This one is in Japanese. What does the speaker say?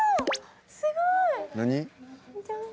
すごーい！